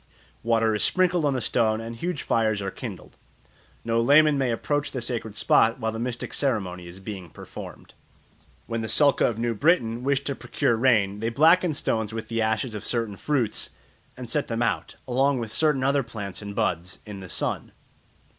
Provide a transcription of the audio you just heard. Water is sprinkled on the stone and huge fires are kindled. No layman may approach the sacred spot while the mystic ceremony is being performed. When the Sulka of New Britain wish to procure rain they blacken stones with the ashes of certain fruits and set them out, along with certain other plants and buds, in the sun.